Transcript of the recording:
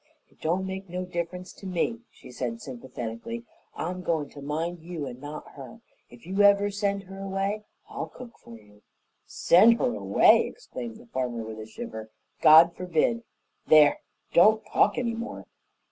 "It don't make no difference to me," she said sympathetically. "I'm goin' to mind you and not her. If you ever send her away I'll cook for you." "Send her away!" exclaimed the farmer, with a shiver. "God forbid! There, don't talk any more!"